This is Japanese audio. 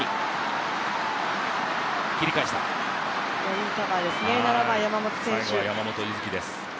いいカバーですね、山本選手